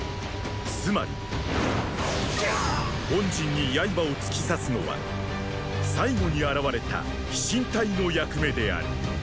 つまりーー本陣に刃を突き刺すのは最後に現れた飛信隊の役目である。